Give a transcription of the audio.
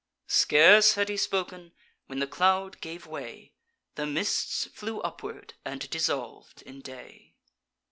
Scarce had he spoken, when the cloud gave way, The mists flew upward and dissolv'd in day.